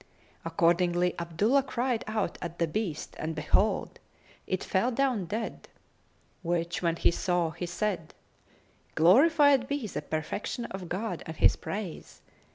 Accordingly Abdullah cried out at the beast and behold, it fell down dead; which when he saw, he said, "Glorified be the perfection of God and His praise!